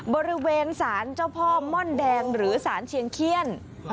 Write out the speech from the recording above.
บริเวณสารเจ้าพ่อม่อนแดงหรือสารเชียงเขี้ยน